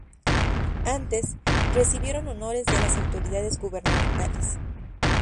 Antes, recibieron honores de las autoridades gubernamentales.